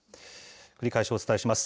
繰り返しお伝えします。